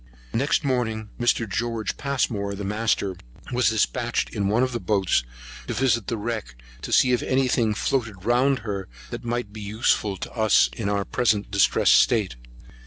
Next morning Mr. George Passmore, the master, was dispatched in one of the boats to visit the wreck, to see if any thing floated round her that might be useful to us in our present distressed state.